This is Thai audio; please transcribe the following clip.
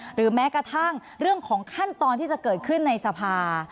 หรือแม้กระทั่งเรื่องของขั้นตอนที่จะเกิดขึ้นในสภา